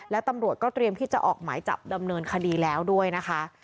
และตำรวจก็เตรียมที่จะออกหมายจับดำเนินคดีแล้วด้วยนะคะ